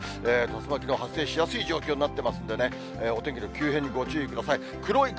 竜巻の発生しやすい状況になっていますんでね、お天気の急変にご注意ください。